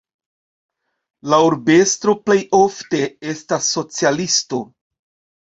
La urbestro plej ofte estas socialisto.